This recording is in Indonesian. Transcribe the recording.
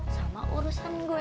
sama urusan gue